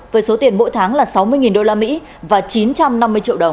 với số tiền mỗi tháng là sáu mươi usd và chín trăm linh triệu đồng